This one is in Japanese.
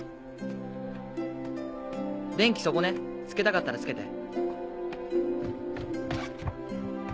電気そこねつけたかったらつけて。